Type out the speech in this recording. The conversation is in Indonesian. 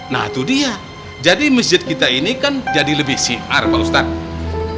nah itu dia jadi masjid kita ini kan jadi lebih syiar kalau ustadz